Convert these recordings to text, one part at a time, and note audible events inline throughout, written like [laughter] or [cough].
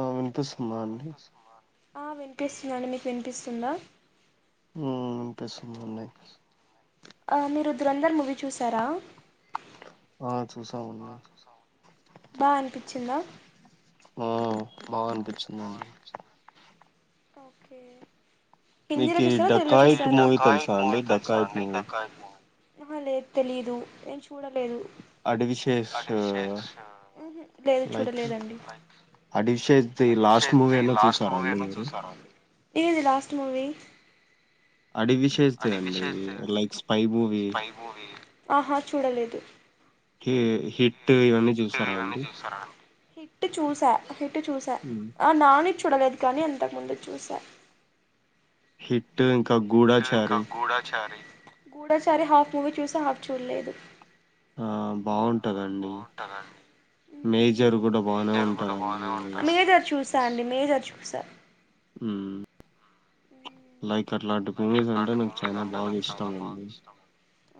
ఆ వినిపిస్తుందా అండి ఆ వినిపిస్తుందిండి మీకు వినిపిస్తుందా హ్మ్ వినిపిస్ ఉందండి ఆ మీరు ధురంధర్ మూవీ చూసారా ఆ చూసా బా అనిపించిందా ఆ బాగా అనిపించిందండి ఓకే హిందీలో చూసారా తెలుగు లో చూసారా అహ లేదు తెలీదు నేను చూడలేదు Adivi Sesh like Adivi Sesh the last movie అన్నా చూసారా అండి మీ చూసార అండి ఏది లాస్ట్ మూవీ అడివి శేస్ దే అండి లైక్ స్పై మూవీ హీ హిట్ హిట్ చూసా హిట్ చూసా ఆ నాని చు చూడలేదు కానీ అంతకుముందు చూసా హిట్ హిట్ ఇంకా గూడచారి గూఢాచారి హాఫ్ మూవీ చూసా హాఫ్ చూడలేదు ఆ బాగుంటదండి మేజర్ కూడా బాగా ఉంటదండి మేజర్ చూసా ఊమ్ లైక్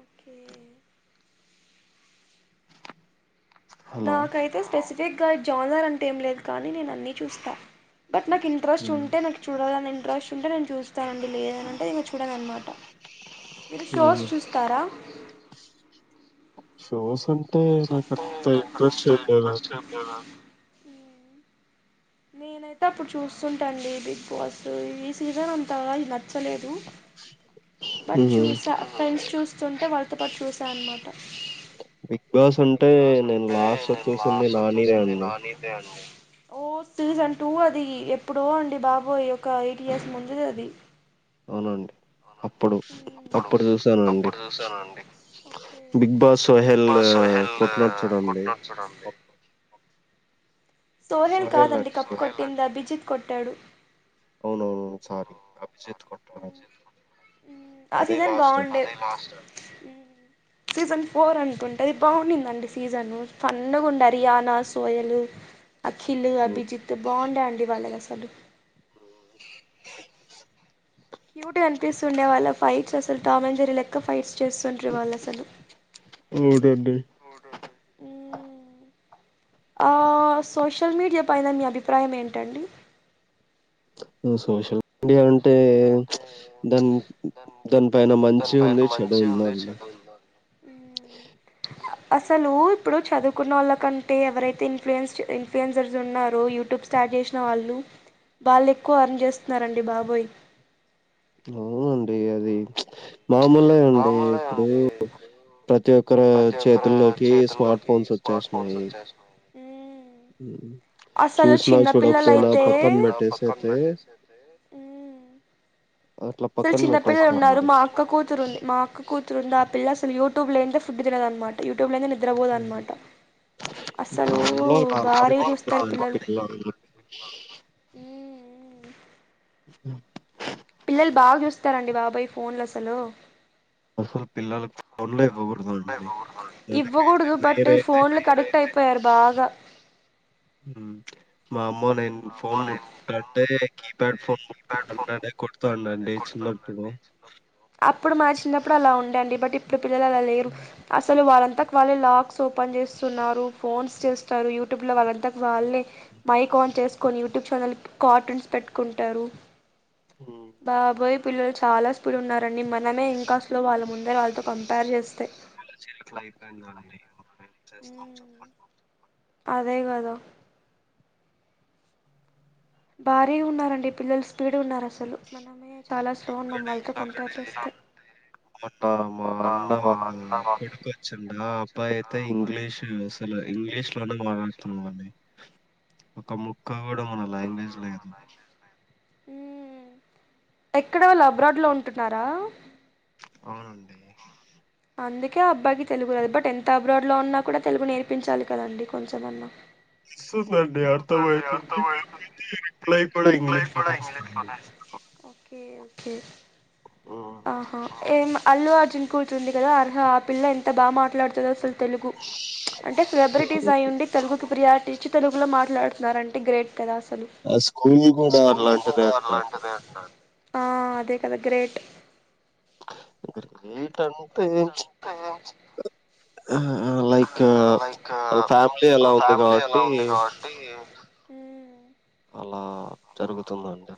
ఓకే నా కైతే స్పెసిఫి ఫిక్ గా జానర్ అంటే ఏమ్ లేదు కానీ నేను అన్నీ చూస్తా బట్ నాకు ఇంట్రెస్ట్ ఉంటే నాకు చూడాలని ఇంట్రెస్ట్ ఉంటే నేను చూస్తానండి లేదనింటే ఇంకా చూడను అన్నమాట మీరు షోస్ చూస్తారా షోస్ అం అంటే నాకు అంత ఇంట్రెస్ట్ ఏం లేదండి నేనైతే అప్పుడు చూస్తుంటండి బిగ్ బాస్ ఈ సీజన్ అంత అంతా నచ్చలేదు బట్ చూసా ఫ్రెండ్స్ చూస్తుంటే వాళ్ళతో పాటు చూసా అన్నమాట. బిగ్ బాస్ అంటే నేను లాస్ట్ లో చూసింది దానిదే అండి. ఓ సీజన్ టూ అది ఎప్పుడో అండి బాబోయ్ ఒక ఎయిట్ ఇయర్స్ ముందుది అది ఓకే సోహెల్ కాదండి కప్పు కొట్టింది అబిజిత్ కొట్టాడు ఆ సీజన్ బాగుండేది సీజన్ ఫోర్ అనుకుంట అది బాగుంన్నింది అండి సీజను ఫన్నుగుండ రియాన సోయలు అఖిల్ అభిజిత్ బాగుండ అండి వాళ్ళది అస్సలు అండి ఆ క్యూట్ కనిపిస్తుండే వాళ్ళ ఫైట్స్ అసలు టామ్ అండ్ జెర్రీ లెక్క ఫైట్స్ చెస్తుండ్రి వాళ్ళు అస్సలు ఆ సోషల్ మీడియా పైన మీ అభిప్రాయం ఏంటండి ను సోషల్ సోషల్ మీడియా అంటే దాన్ దాని పైన మంచి ఉంది చెడు ఉంద అసలు ఇప్పుడు చదువుకున్న వాళ్ళ కంటే ఎవరైతే ఇన్ఫ్లుయన్స్ ఇన్ఫ్లుయెన్సర్స్ ఉన్నారో యూట్యూబ్ స్టార్ట్ చేసిన వాళ్ళు బళ్ళు ఎక్కువ అర్న్ చేస్త ఉన్నారండి బాబోయ్ అవునండి అది మామోలే అండి ఇప్పుడు ప్రతి ఒక్క ప్రతి ఒక్కరు చేతుల్లోకీ స్మార్ట్ ఫోన్స్ వచ్చేసినాయ్ చూసిన చూడకపోయినా పక్కన పెట్టేసి అయితే అస్సలు చిన్న పపిల్లలు ఉన్నారు మా అక్క కూతురుంది మా అక్క కూతురుంది ఆ పిల్ల అస్సలు యూట్యూబ్ లేనిదే ఫుడ్ తినదు అన్నమాట యూట్యూబ్ లేనిదే నిద్రబోదు అన్నమాట అస్సలు భారీ గ చూస్తారు పిల్లలు [inaudible] పిల్లలు బాగా చూస్తారండి బాబాయ్ ఫోన్లు అసలు అసలు పిలలు ఇవ్వ కూూడదు బట్ ఫోన్ల కనెక్ట్ అయిపోయారు బాగా ఉమ్ మా అమ్మో నేన్ ఫోన్ ముట్కుంటంటే అప్పుడు మాది చిన్నప్పుడు అలా ఉండండి బట్ ఇప్ పిల్లలలలేరు అసలు వారంతా వాళ్ళే లాక్స్ ఓపెన్ చేస్తున్నారు ఫోన్స్ చేస్తారు యూట్యూబ్ లో వాళ్ళంతకు వాళ్ళే మైక్ ఆన్ చేసుకొని టు ఛానల్ కార్టున్స్ పెట్ కుంటారు బాబోయ్ పిల్లలు చాలా స్పీడ్ ఉన్నారండి మనమే ఇంకా స్లో వాళ్ళ ముందర వాళ్ళతో కంపార్ చేస్తే మళ్ల చెయ్ గిట్లయితందండి ఏం చేస్తాం చెప్పండి అదే గదా భారీ ఉన్నారండి పిల్లలు స్పీడ్ ఉన్నారసల్ కొట్టాడా మా అన్న వాళ్ళ కొడుకు ఒచ్చిండు అబ్బాయి అయితే ఇంగ్లీషు అసలు ఇంగ్లీష్ గంట మాట్లాడుతున్నా అండీ ఒక ముక్క కూడా మన లాంగ్వేజ్ లేదు ఎక్ క్కడ వాళ్ళు అబ్రాడ్లో ఉంటున్నారా అవునండి అందుకే అబ్బాయికి తెలుగు రాదు బట్ ఎంత అబ్రాడ్ లో ఉన్నా కూడా తెలుగు నేర్పించాలి కదండి కొంచెమన్నా [unintelligible] స్తుందండి అర్థంమయితుంది కాపోతే రిప్లై కూడా ఇంగ్లీష్ ఇస్తండు అట్ల కే ఆహా ఏ అల్లు అర్ ర్జున్ కూతురుంది కదా అర్హ ఆ పిల్ల ఎంత బా మాట్లాడుతదసలు తెలుగు అంటే ఫెలబ్రిటీస్ అయ్ ఉండి తెలుగుకు ప్రియారిటీ ఇచ్చి తెలుగుల మార్ ట్లాడుతునారంటే గ్రేట్ కదా అసలు స్కూల్ కూడా అలాంటిదంటండి ఆ అదే కదా గ్రేట్ గ్రేటం టే అ అ లైక్ వాళ్ళ ఫ్యామిలీ అలా ఉంది కావట్టి. అలా జరుగు తుందండి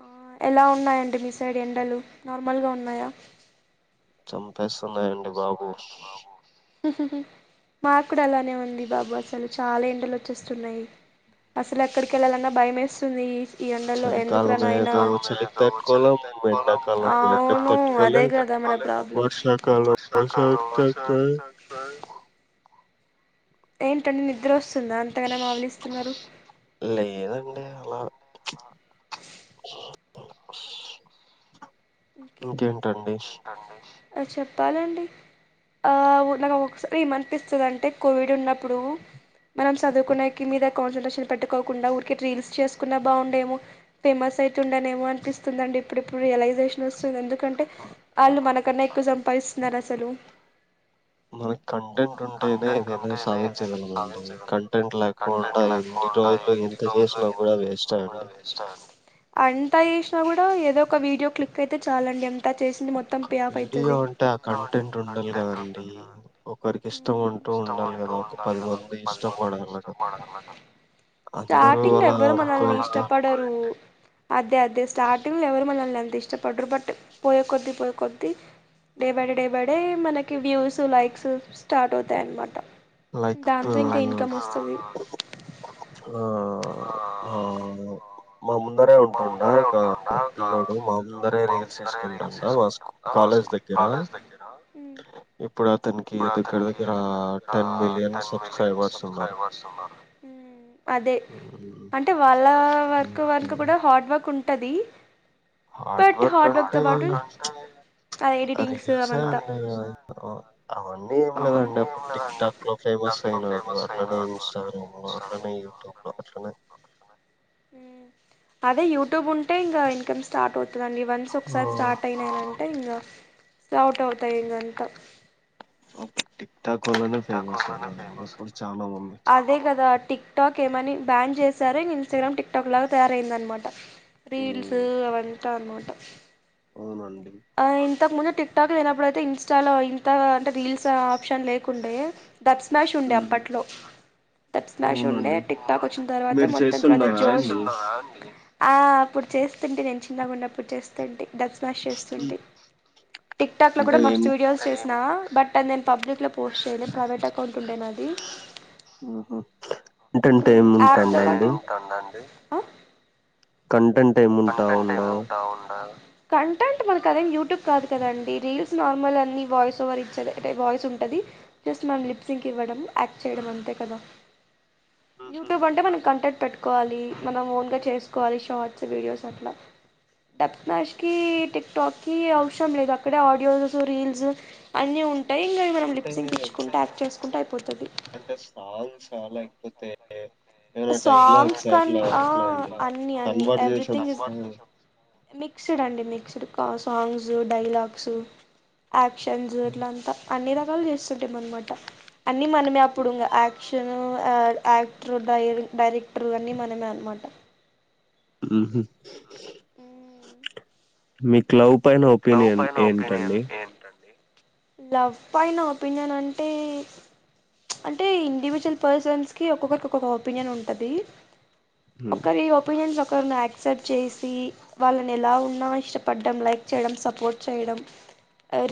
ఆ ఎలా ఉన్నాయండి మీ సైడ్ ఎండలు నార్మల్గ్ గ ఉన్నాయ. చంప్ పేస్తున్నాయండి బాబు [unintelligible] ఇక్కడలానే ఉంది బాబు అసల్ చాలా ఎండలొచ్చేస్తున్నాయ్ అసలెక్కడికెళ్లాలన్నా భయమేస్తుంది. ఈ ఎండల్లో ఎందుకురా నాయ్నా చలికాలమేదో చలిక్ తట్టుకోలేమ్ అవును అదే కదా మన ప్రాబ్లం. వర్షాకాలమ్ వర్షానికి తట్టుకోలేమ్ ఏంటండి నిద్రొస్ తుంద అంతగనం ఆవలిస్తున్నరు లె లేదండి. ఇంకేమి ఇంకేంటండి అ చెప్పాలండి అవ్ నాకొకొకసారి ఏమనిపిస్తదంటే కోవిడున్నప్పుడు మనం సదువుకునేకి మీద కాన్సన్ట్రేషన్ పెట్టుకోకుండా ఊరికే రీల్స్ చేసుకున్నా బాగుండేమో ఫేమసయితుండెనేమో అనిపిస్తుందండి ఇప్పుడిప్పుడు రియలైజేషన్. రోస్సే దెందు కంటే ఆళ్ళు మనకన్నా ఎక్కువ సం పైస్ నరసలు మనక్ కంటెంటుంటేనే ఏదైనా సాధించగలమండి కంటెంట్ లేకోకుండా ఎన్ని రోజులు ఎంత చేసినా కూడా వేస్టే అండి. ఏదో ఒక వీడియో క్లి కైతే చాలండి అం చేసింది మొత్తం పే ఆఫ్ అయ్ తది [unintelligible] కంటెంటుండాలి కదండి ఉమ్ ఒకరికిష్టముంటూ ఉండాల్ కదండి పదిమంది ఇష్టంబడాలి [inaudible] స్ట్యాటింగెవ్వరు మనల్నిష్టపడరు అద్దే అద్దే స్టాటింగెవపు మనల్నం. దిష్టబ్ పడ్రు బట్ పోయే కొద్ది పోయే కొద్ది డే బైడే డే బైడే మనకి వ్యూస్ లైక్స్ స్టార్ట్ అవుతాయ్ అనమాట లైక్ [unintelligible] మా ముందరే ఉంటుండ ఒక పిల్లోడు మా ముందరే రీల్స్ చేస్కుంటుండ మా స్కూ కాలేజ్ దగ్గర ఇప్పుడ. తన్కి దగ్గర దగ్గర రా టెన్ మిలియన్ సబ్స్క్రైబర్సున్నారు ఉమ్ అది వాళ్ళ వర్కు వర్కు కూడా హార్డ్ వర్క్. ఉంటది హాడ్వర్కంటే రీల్సే అండి అవి [unintelligible] అవ. అన్నీ ఏం లేదండి అప్పుడు టిక్ టాక్ లో ఫేమస్ అయినాడు అట్లనే ఇన్స్టాగ్రామ్ లో అట్లనే యూట్యూబ్ లో అట్లనే. టువ్ గుంటే ఇంక ఇన్కం స్టార్ అవ్ తదండి వన్స్ ఒకసారి స్టార్ట్ అయినాయటే ఇంగ స్టాట్ అవుతాయి ఇంకంత ఓక్ టిక్ టాక్ వల్లనే ఫేమస్ అయినారండి ఇప్పుడు చాలా ఉంది టిక్ టాక్ ఏమని బ్యాన్ చేశారో ఇంగ ఇన్స్టాగ్రామ్ టిక్ టాక్ లాగా తయారయ్యిందనమాట రీల్స్ అవన్ టార్ర్మోట అవునం ఆ ఇంతకు ముందుట్ టిక్ టాక్ లేనప్పుడు అయితే ఇన్స్టాలో ఇంత అంటే రీల్స్ ఆప్షన్ లేకుండే డబ్ స్మాష్ ఉండే అప్పట్లో డబ్ స్మాష్ ఉండే టిక్ టాక్ వచ్చిన తర్వాత మొత్తం తర్వాత జోష్ ఆ అప్పుడు చేస్తుంటి నేను చిన్నగున్నప్పుడు చేస్తుంటి డబ్ స్మాషింగ్ చేస్తు తుంటి టిక్ టాక్ లో కూడా మస్త్ వీడియోస్ చేసినా బట్ [unintelligible] పబ్లిక్ లో పోస్ట్ చెయ్ లే ప్రైవేట్ అకౌంట్ ఉండే నాది మ్మ్ ఆప్ తో పాటి ఆ కంటెంట్ పంటంట ఏము ఉంటా ఉండ కంటెంట్ మనకదేం యూట్యూబ్ కాదు కదండి రీల్స్ నార్మల్ అన్ని వాయిస్ ఓవర్ ఇచ్చది అంటే వాయిస్ ఉంటుంది జస్ట్ మనం లిప్ సింక్ ఇవ్వడం యాక్ట్ చెయ్యడం అంతే కదా యూట్యూబ్ అంటే మనకి కంటెంట్ పెట్టుకోవాలి మనం ఓన్ గా చేసుకోవాలి షార్ట్స్ వీడియోస్ అట్ల డబ్ స్మాష్ కి టిక్ టాక్ కి అవసరం లేదు అక్కడ ఆడియోస్ రీల్స్ అన్నీ ఉన్ టై ఇంగా మనం లిప్ సింక్ ఇచ్చుకుంట యాక్ట్ చేసుకుంటా పోతాది అంటే సాంగ్స్ ఆ లేకపోతే సాంగ్స్ కన్ ఆ అన్ని అన్ని ఎవ్రీథింగ్ ఇస్ మిక్స్డ్ అండి మిక్స్డ్ కా సాంగ్సు డైలాగ్స్ ఆప్షన్స్ ఇట్లంతా అన్ని రకాలు చేస్తుంటాం అనమాట అన్నీ మనమే అప్పుడుంగ అక్ [unintelligible] షను ఆ యాక్ర్ [unintelligible] డైర్ డైరెక్టరు అన్ని మనమే అనమాట ఊహూ ఉమ్ మీ లవ్ పైన ఒపీనియన్ ఏంటండి. లవ్ పైన ఒపీనియన్ అంటే అంటే ఇండివిజువల్ పర్సన్స్కి ఒక్కొక్కరికిొక్క ఒపీనియన్ ఉంటది. ఒకరి ఒపీనియన్ ఒకరిని యాక్సెప్ట్ చేసి వాళ్ళని ఎలా ఉన్నా ఇష్టపడ్డం లైక్ చేయడం సపోర్ట్ చేయడం.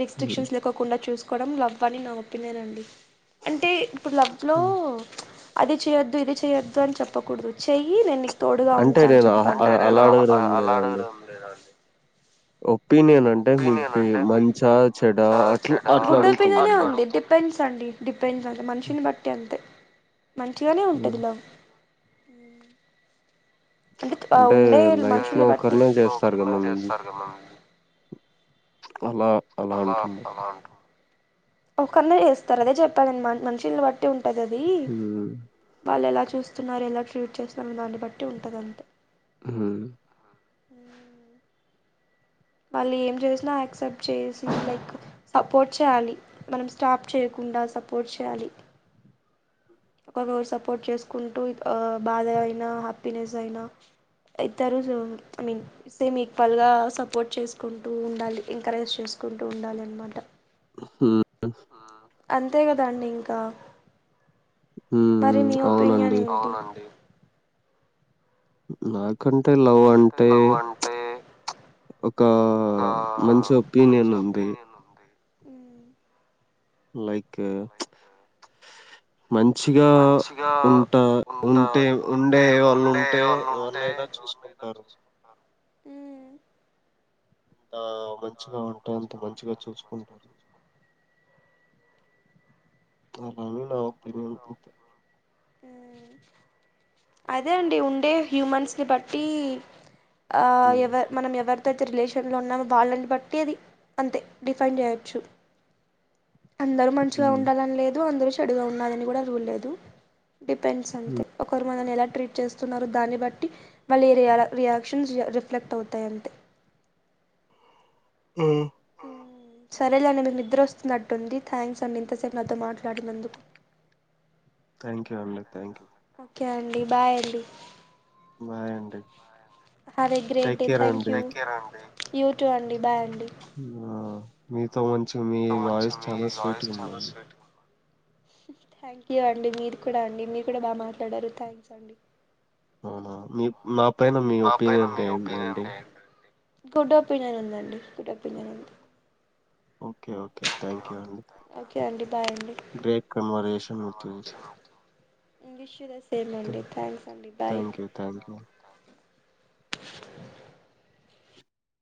రిస్ట్రిక్షన్స్ లేకోకుండా చూసు కోవడం లవ్వని నా ఒపినియనండి. అంటే ఇప్పుడు లవ్లో అది చేయొద్దు ఇది చేయొద్దు అని చెప్పకూడదు. చెయ్యి నేను నీకు తోడుగా ఉంటా అని చెప్పాలి. అంటే నేను అలా అడగడం లేదండి. ఒపీనియన్ అంటే మీకు మంచ చెడ అట్ల అట్ల అడుగుతున్నా నేను అండి డిపెండ్స్ అంటే మనిషిని బట్టి అంతే మంచిగానే ఉంటది లవ్ అ అంటే ఉండే మనుషులు బట్టి అలా అలా అంటున్నా ఒకరినే చేస్తారు అదే చెప్పాగా మనుషుల్ని బట్టి ఉంటు అదేది బాలలక్ చూస్తున్నారు ఎలా ట్రీట్ చేస్తున్నారో దాన్ని బట్టి ఉంటదంతే అవునా హ వాళ్ళు ఏం చేసినా యాక్సెప్ట్ చేసి లైక్ సపోర్ట్ చేయాలి మనం స్టాప్ చేయకుండా సపోర్ట్ చేయాలి. ఒకరిొరు సపోర్ట్ చేసుకుంటూ బాధ అయినా హ్యాపీనెస్ అయినా ఇద్దరు ఐ మీన్ సేమ్ ఈక్వల్ గా సపోర్ట్ చేసుకుంటూ ఉండాలి. ఎంకరేజ్ చేసుకుంటూ ఉండాలనమాట ఆ అంతే కదా అండి ఇంకా మరీ మీ ఒపీన్యన్ ఎంటి ఆ అవునండి. నాక్ కంటే లవ్ అంటే ఒక మంచి ఒపీనియన్ ఉంది. లైక్ మంచిగా ఉంటా ఉంటే ఉండే వాళ్ళు ఉంటే ఎవరినైనా చూసుకుంటారు. ఆ మంచిగా ఉంటే అంత మంచిగా చూసుకుంటారు. ఇదే నా ఒపీనియన్ ఇంతే ఆ అదే అండి ఉండే హ్యూమన్స్ ని బట్టి ఆ ఎవ మనం ఎవరి యితే రిలేషన్లో ఉన్నా వాళ్ళని బట్టి అది అంతే డిఫైన్ చేయచ్చు అందరూ మంచిగా ఉండాలని లేదు అందరు చెడుగా ఉండాలని కూడా రూల్ లేదు డిపెన్స్ అంతే ఒకరు మనల్ని ఎలా ట్రీట్ చేస్తున్నారు దాన్ని బట్టి వాళ్ళిరియాల రియాక్షన్స్ రిఫ్లెక్ట్ అవుతాయి అంతే ఉం సరేలేండి మీకు నిద్ర వస్తుందట్టుంది థ్యాంక్స్ అండి ఇంతసేపు నాతో మాట్లాడినందుకు థ్యాంక్ యూ అండి థ్యాంక్ యూ ఓకే అండి బాయ్ అండి బాయండి have a great day thank you you too అండి బాయ్ మీతో మం చి మీ వాయిస్ చాలా స్వీట్గా ఉందండి థ్యాంక్ యూ అండి మీరు కూడా అండి మీరు కూడా బాగా మాట్లాడారు థ్యాంక్స్ అండి అవునా మీ నా పైన మీ ఒపీనియన్ అంటే ఏంటిండి గుడ్ ఒపీనియన్ ఉందండి గుడ్ ఒపీనియన్ ఉంది okay oh okay thank you అండి కే అండి great conversation with you [unintelligible] సేనండి thanks అండి బాయ్